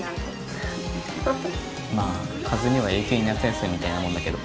まあ和兄は永久に夏休みみたいなもんだけど。